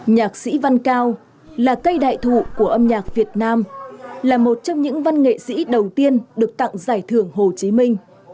nhạc sĩ văn cao là cây đại thụ của âm nhạc việt nam là một trong những văn nghệ sĩ đầu tiên được tặng giải thưởng hồ chí minh